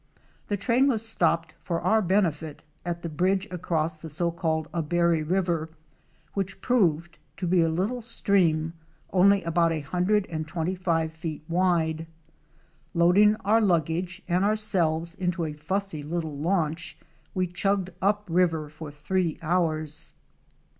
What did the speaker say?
The train was stopped for our benefit at the bridge across the so called Abary River, which proved to be a little stream only about a hundred and twenty five feet wide. Load ing our luggage and ourselves into a fussy httle launch we chugged up river for three hours.